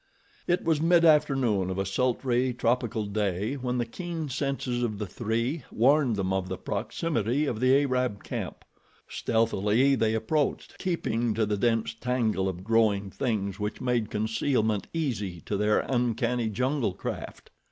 It was mid afternoon of a sultry, tropical day when the keen senses of the three warned them of the proximity of the Arab camp. Stealthily they approached, keeping to the dense tangle of growing things which made concealment easy to their uncanny jungle craft.